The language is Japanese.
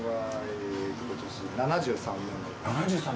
７３年？